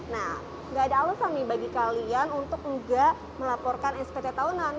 nah gak ada alasan nih bagi kalian untuk enggak melaporkan spt tahunan